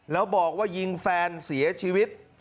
แล้วบอกว่ายิงแฟนเสียชีวิต